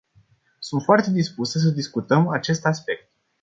Sunt foarte dispusă să discutăm acest aspect.